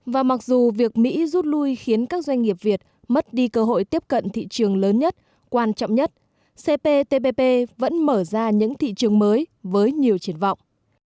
và mặc dù việc mỹ rút lui khiến các doanh nghiệp việt mất đi cơ hội tiếp cận thị trường lớn nhất quan trọng nhất cptpp vẫn mở ra những thị trường mới với nhiều triển vọng